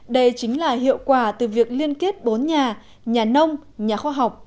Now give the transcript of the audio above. đây chính là hiệu quả từ việc liên kết bốn nhà nhà nông nhà khoa học